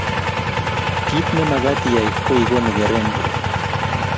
Kit ne magat iyai ko ikonu kerengung